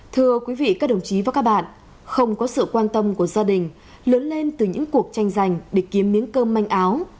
thưa quý vị các đồng chí và các bạn không có sự quan tâm của gia đình lớn lên từ những cuộc tranh giành để kiếm miếng cơm manh áo